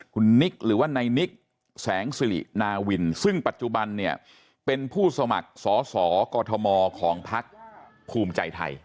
คุณนิกหรือว่าในนิกแสงสิรินาวินซึ่งปัจจุบันเนี่ยเป็นผู้สมัครสอสอกอทมของพักภูมิใจไทย